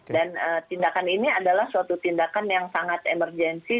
dan tindakan ini adalah suatu tindakan yang sangat emergensi